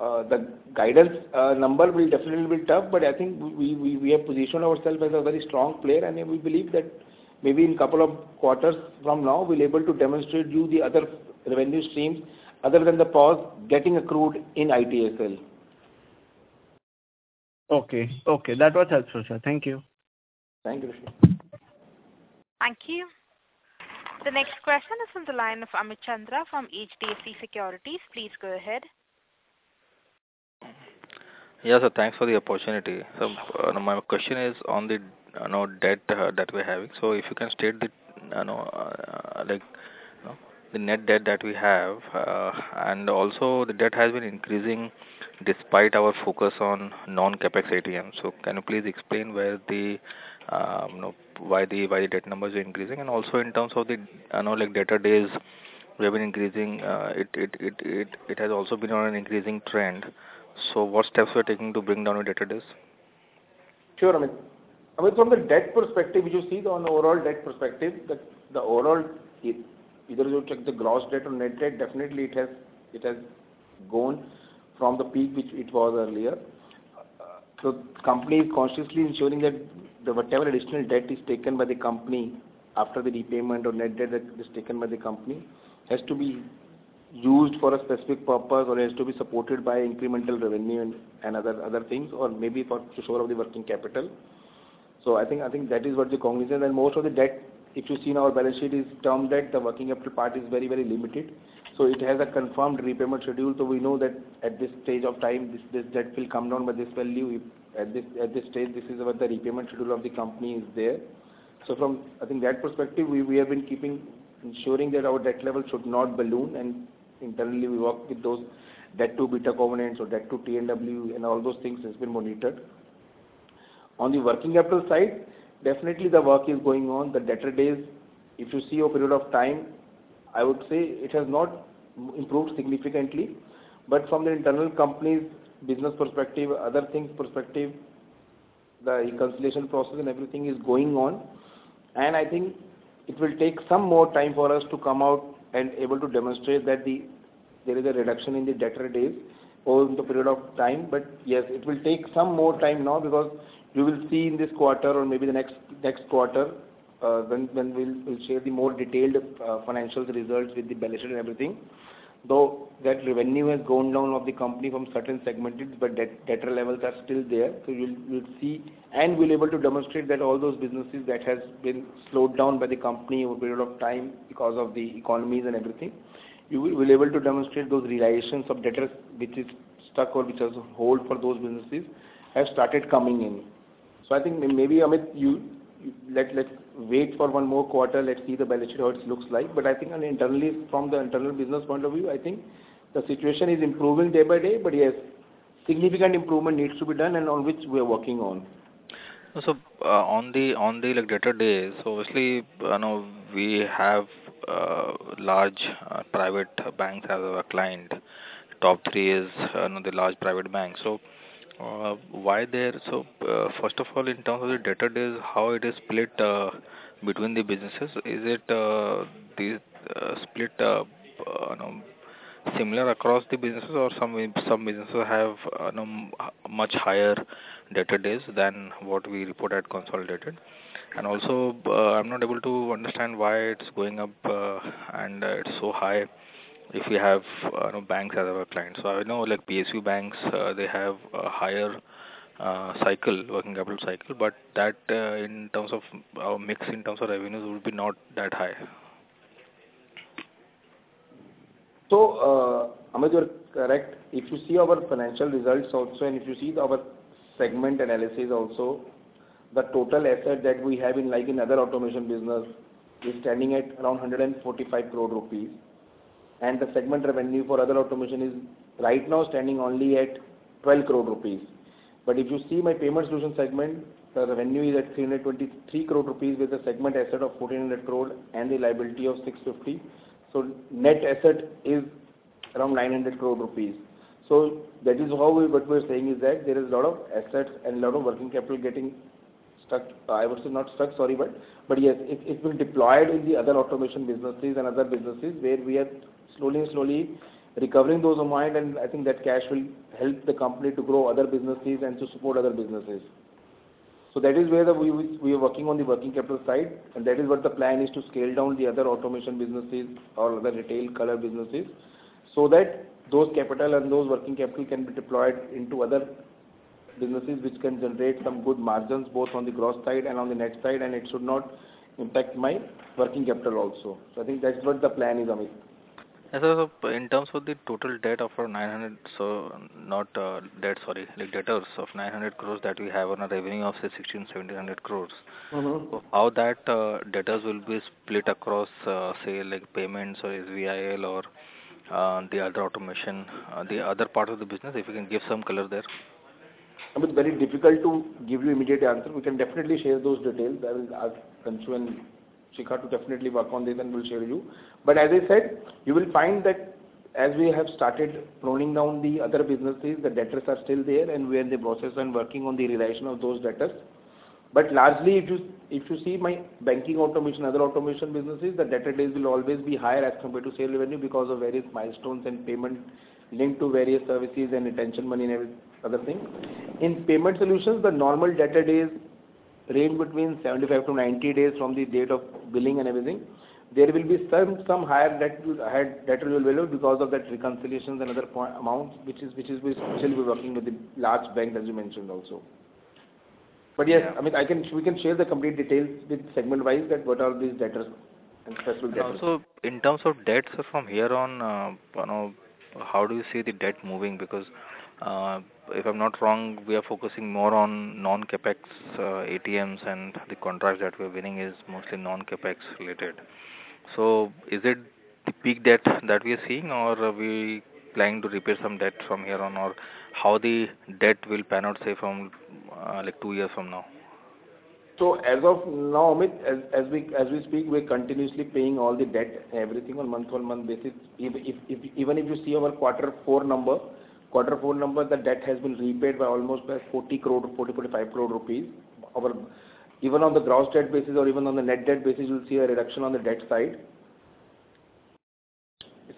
The guidance number will definitely be tough, but I think we, we, we have positioned ourselves as a very strong player, and we believe that maybe in couple of quarters from now, we'll able to demonstrate you the other revenue streams other than the POS getting accrued in ITSL. Okay. Okay, that was helpful, sir. Thank you. Thank you. Thank you. The next question is from the line of Amit Chandra from HDFC Securities. Please go ahead. Yeah, thanks for the opportunity. My question is on the, you know, debt that we're having. If you can state the, you know, net debt that we have, and also the debt has been increasing despite our focus on non-CapEx ATMs. Can you please explain where the, why the, why the debt numbers are increasing? Also in terms of the, you know, debtor days, we have been increasing, it, it, it, it, it has also been on an increasing trend. What steps we are taking to bring down our debtor days? Sure, Amit. Amit, from the debt perspective, if you see the overall debt perspective, the overall, either you check the gross debt or net debt, definitely it has, it has gone from the peak which it was earlier. Company is consciously ensuring that whatever additional debt is taken by the company after the repayment or net debt that is taken by the company, has to be used for a specific purpose or has to be supported by incremental revenue and, and other, other things, or maybe for to shore up the working capital. I think, I think that is what the cognition, and most of the debt, if you've seen our balance sheet, is term debt. The working capital part is very, very limited. It has a confirmed repayment schedule, so we know that at this stage of time, this, this debt will come down by this value. At this stage, this is what the repayment schedule of the company is there. From, I think, that perspective, we have been ensuring that our debt level should not balloon, and internally, we work with those debt-to-EBITDA covenants or debt to TNW, and all those things has been monitored. On the working capital side, definitely the work is going on. The debtor days, if you see a period of time, I would say it has not improved significantly. From the internal company's business perspective, other things perspective, the reconciliation process and everything is going on. I think it will take some more time for us to come out and able to demonstrate that there is a reduction in the debtor days over the period of time. Yes, it will take some more time now, because you will see in this quarter or maybe the next, next quarter, when we'll, we'll share the more detailed financials results with the balance sheet and everything. That revenue has gone down of the company from certain segment, but debtor levels are still there. You'll, you'll see, and we'll able to demonstrate that all those businesses that has been slowed down by the company over a period of time because of the economies and everything, you will able to demonstrate those realizations of debtors, which is stuck or which is on hold for those businesses, have started coming in. I think maybe, Amit, let's wait for one more quarter. Let's see the balance sheet, how it looks like. I think, and internally, from the internal business point of view, I think the situation is improving day by day, but yes, significant improvement needs to be done, and on which we are working on. On the, on the debtor days, obviously, I know we have, large, private banks as our client. Top three is, the large private banks. Why they're... First of all, in terms of the debtor days, how it is split, between the businesses? Is it, the, split, similar across the businesses or some businesses have, much higher debtor days than what we report at consolidated? Also, I'm not able to understand why it's going up, and it's so high if we have, banks as our clients. I know, like, PSU banks, they have a higher, cycle, working capital cycle, but that, in terms of our mix, in terms of revenues, will be not that high. Amit, you're correct. If you see our financial results also, and if you see our segment analysis also, the total asset that we have in, like, in Other Automation business, is standing at around 145 crore rupees. The segment revenue for Other Automation is right now standing only at 12 crore rupees. If you see my Payment Solution segment, the revenue is at 323 crore rupees, with a segment asset of 1,400 crore and the liability of 650 crore. Net asset is around 900 crore rupees. That is how, what we're saying is that there is a lot of assets and a lot of working capital getting stuck. I would say not stuck, sorry, but yes, it will deploy in the Other Automation businesses and other businesses, where we are slowly, slowly recovering those amount. I think that cash will help the company to grow other businesses and to support other businesses. That is where we are working on the working capital side. That is what the plan is to scale down the Other Automation businesses or other retail color businesses so that those capital and those working capital can be deployed into other businesses which can generate some good margins, both on the gross side and on the net side, and it should not impact my working capital also. I think that's what the plan is, Amit. In terms of the total debt of our 900 crore, so not, debt, sorry, like, debtors of 900 crore that we have on our revenue of, say, 1,600-1,700 crore. Mm-hmm. How that, debtors will be split across, say, like, payments or SVL or, the Other Automation, the other part of the business, if you can give some color there? Amit, very difficult to give you immediate answer. We can definitely share those details. I will ask Khanshu and Shikha to definitely work on this, and we'll share you. As I said, you will find that as we have started pruning down the other businesses, the debtors are still there, and we are in the process and working on the realization of those debtors. Largely, if you, if you see my Banking Automation, Other Automation businesses, the debtor days will always be higher as compared to sales revenue because of various milestones and payment linked to various services and retention money and every other thing. In Payment Solutions, the normal debtor days range between 75 to 90 days from the date of billing and everything. There will be some, some higher debt, higher debtor value because of that reconciliations and other amounts, which is, which is, which we're working with the large bank, as you mentioned also. Yes, Amit, we can share the complete details with segment-wise that what are these debtors and special debtors. Also, in terms of debts from here on, you know, how do you see the debt moving? If I'm not wrong, we are focusing more on non-CapEx ATMs, and the contracts that we're winning is mostly non-CapEx related. Is it the peak debt that we are seeing, or are we planning to repay some debt from here on, or how the debt will pan out, say, from, like, 2 years from now? As of now, Amit, as we speak, we're continuously paying all the debt, everything on month-on-month basis. Even if, if, even if you see our quarter four number, quarter four number, the debt has been repaid by almost by 40 crore-45 crore rupees. Even on the gross debt basis or even on the net debt basis, you'll see a reduction on the debt side.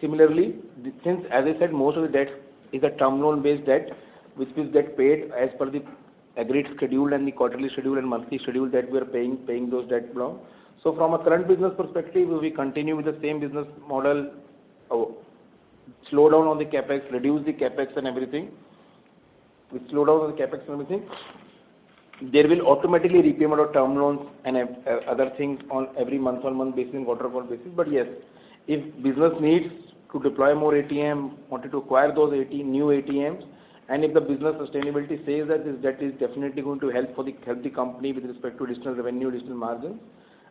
Similarly, since, as I said, most of the debt is a term loan-based debt, which will get paid as per the agreed schedule and the quarterly schedule and monthly schedule that we are paying those debt loan. From a current business perspective, we will continue with the same business model, slow down on the CapEx, reduce the CapEx and everything. We slow down on the CapEx and everything. There will automatically repayment of term loans and other things on every month-on-month basis and quarter-on-quarter basis. Yes, if business needs to deploy more ATM, wanted to acquire those AT, new ATMs, and if the business sustainability says that this debt is definitely going to help for the healthy company with respect to additional revenue, additional margin,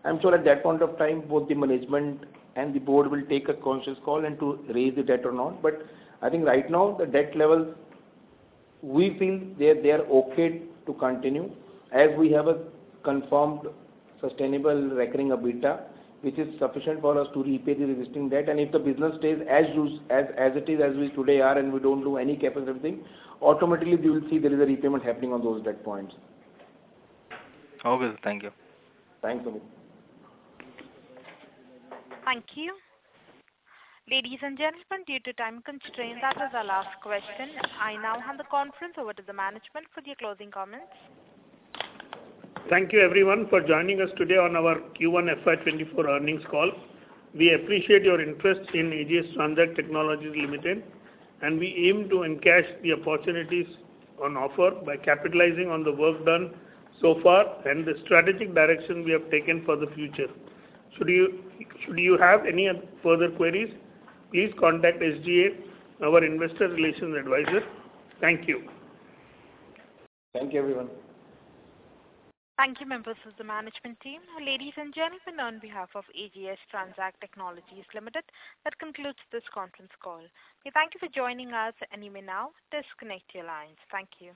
I'm sure at that point of time, both the management and the board will take a conscious call and to raise the debt or not. I think right now, the debt levels, we feel they are, they are okay to continue as we have a confirmed sustainable recurring EBITDA, which is sufficient for us to repay the existing debt. If the business stays as it is, as we today are, and we don't do any CapEx or something, automatically, you will see there is a repayment happening on those debt points. Okay, thank you. Thanks, Amit. Thank you. Ladies and gentlemen, due to time constraint, that was our last question. I now hand the conference over to the management for their closing comments. Thank you, everyone, for joining us today on our Q1 FY 2024 earnings call. We appreciate your interest in AGS Transact Technologies Ltd, and we aim to encash the opportunities on offer by capitalizing on the work done so far and the strategic direction we have taken for the future. Should you have any further queries, please contact SGA, our investor relations advisor. Thank you. Thank you, everyone. Thank you, members of the management team. Ladies and gentlemen, on behalf of AGS Transact Technologies Ltd, that concludes this conference call. We thank you for joining us, and you may now disconnect your lines. Thank you.